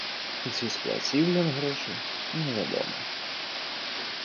Ці сплаціў ён грошы, невядома.